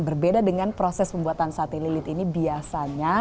berbeda dengan proses pembuatan sate lilit ini biasanya